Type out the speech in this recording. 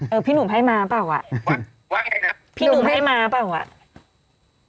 เหรอพี่หนุ่มให้มาเปล่าวะพี่หนุ่มให้มาเปล่าวะพี่หนุ่มไม่มีสิทธิ์นะ